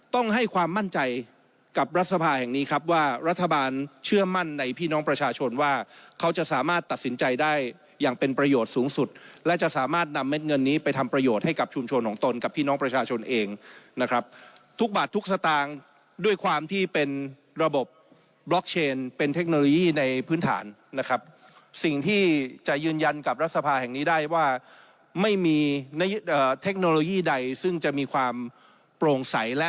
ต้องให้ความมั่นใจกับรัฐสภาแห่งนี้ครับว่ารัฐบาลเชื่อมั่นในพี่น้องประชาชนว่าเขาจะสามารถตัดสินใจได้อย่างเป็นประโยชน์สูงสุดและจะสามารถนำเม็ดเงินนี้ไปทำประโยชน์ให้กับชุมชนของตนกับพี่น้องประชาชนเองนะครับทุกบาททุกสตางค์ด้วยความที่เป็นระบบบล็อกเชนเป็นเทคโนโลยีในพื้นฐานนะ